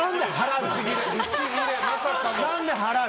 何で払う！